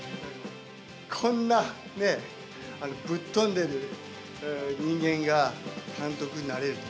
こんな、ね、ぶっ飛んでる人間が監督になれると。